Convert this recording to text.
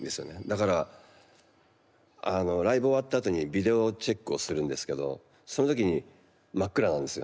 だからライブ終わった後にビデオチェックをするんですけどその時に真っ暗なんですよ。